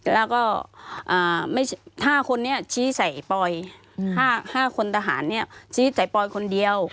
แล้วก็๕คนนี้ชี้ใส่ปอย๕คนทหารเนี่ยชี้ใส่ปอยคนเดียว